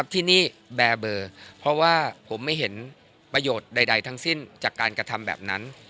ที่นี่แบร์เบอร์เพราะว่าผมไม่เห็นประโยชน์ใดทั้งสิ้นจากการกระทำแบบนั้น